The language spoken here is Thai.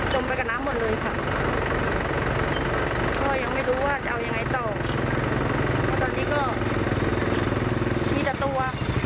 ตอนนี้ก็มีอรรตัว